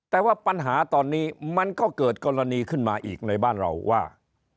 แต่ว่าปัญหาตอนนี้มันก็เกิดกรณีขึ้นมาอีกในบ้านเราว่า